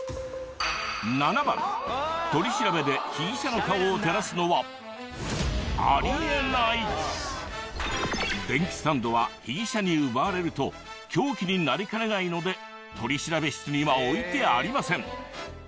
７番取り調べで被疑者の顔を照らすのは電気スタンドは被疑者に奪われると凶器になりかねないので取調室には置いてありません。